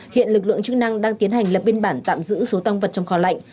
hiện lực lượng chức năng đang tiến hành lập biên bản tạm giữ số tăng vật trong kho lạnh